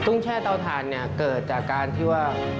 แช่เตาถ่านเนี่ยเกิดจากการที่ว่า